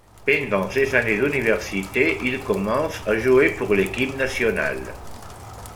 Pendant ses années d'université, il commence à jouer pour l'équipe nationale.